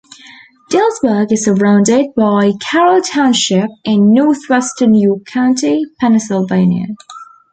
Dillsburg is surrounded by Carroll Township in northwestern York County, Pennsylvania.